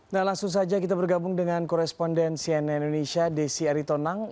nah langsung saja kita bergabung dengan koresponden cnn indonesia desi aritonang